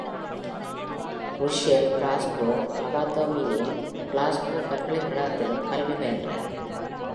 Russell, Glasgow அகாதெமியிலும், Glasgow பல்கலைக்கழகத்திலும் கல்வி பயின்றார்.